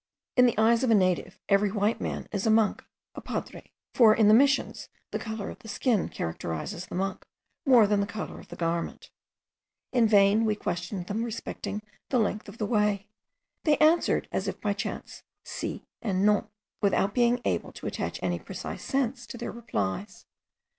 In the eyes of a native every white man is a monk, a padre; for in the Missions the colour of the skin characterizes the monk, more than the colour of the garment. In vain we questioned them respecting the length of the way: they answered, as if by chance, si and no, without our being able to attach any precise sense to their replies.